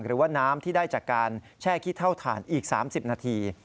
หรือว่าน้ำที่ได้จากการแช่ขี้เท่าถ่านอีก๓๐นาที